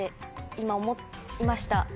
今思いました。